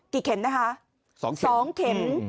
เข็มนะคะ๒เข็ม